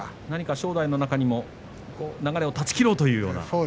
何か正代の中にも流れを断ち切ろうというような。